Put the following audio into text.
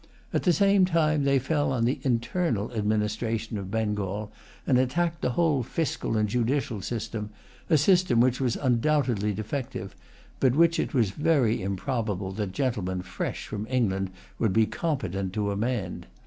At the same time, they fell on the internal administration of Bengal, and attacked the whole fiscal and judicial system, a system which was undoubtedly defective, but which it was very improbable that gentlemen fresh from England would be competent to amend.